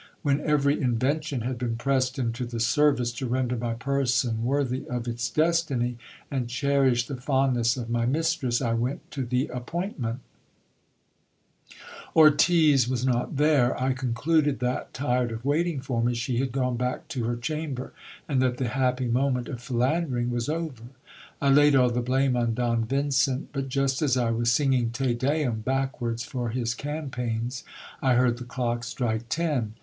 When every invention had been pressed into the service to render my person worthy of its destiny, and cherish the fondness of my mistress, I went to the appointment Ortiz was not there I concluded that, tired of waiting for me, she had gene back to her chamber, and that the happy moment of philandering was over. I laid all the blame on Don Vincent ; but just as I was singing Te D mm backwards for his campaigns, I heard the clock strike ten.